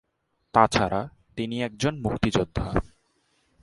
তাছাড়া, তিনি একজন মুক্তিযোদ্ধা।